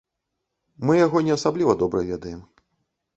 Мы яго не асабліва добра ведаем.